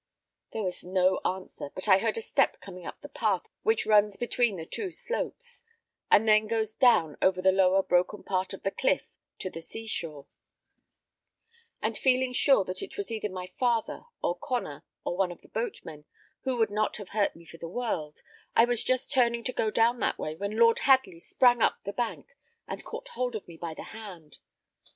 There was no answer, but I heard a step coming up the path which runs between the two slopes, and then goes down over the lower broken part of the cliff to the sea shore; and feeling sure that it was either my father, or Connor, or one of the boatmen, who would not have hurt me for the world, I was just turning to go down that way when Lord Hadley sprang up the bank, and caught hold of me by the hand.